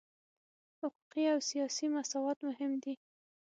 حقوقي او سیاسي مساوات مهم دي.